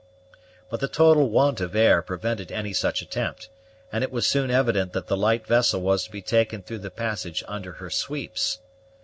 But the total want of air prevented any such attempt, and it was soon evident that the light vessel was to be taken through the passage under her sweeps.